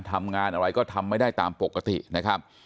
ทำงานอะไรก็ทำไม่ได้ตามปกตินะครับ